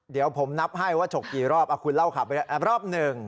เดี๋ยวผมนับให้ว่าฉกกี่รอบคุณเล่าข่าวไปรอบหนึ่ง